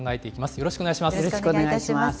よろしくお願いします。